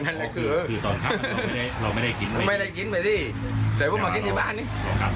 เราก็ไม่ได้กินไปดีแต่มากินที่บ้านนี้